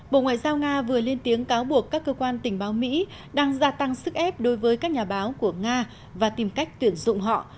bộ ngoại giao nga vừa lên tiếng cáo buộc các cơ quan tình báo mỹ đang gia tăng sức ép đối với các nhà báo của nga và tìm cách tuyển dụng họ